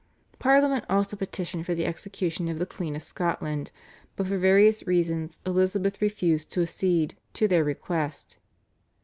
Parliament also petitioned for the execution of the Queen of Scotland, but for various reasons Elizabeth refused to accede to their request.